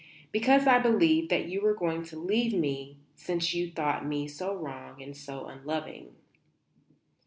Because I believed that you were going to leave me since you thought me so wrong and so unloving."